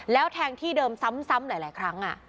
แล้วแทงที่เดิมซ้ำหลายครั้ง